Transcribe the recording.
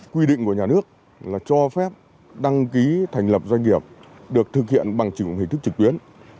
quy định của nhà nước là cho phép đăng ký thành lập doanh nghiệp được thực hiện bằng chứng hình thức trực tuyến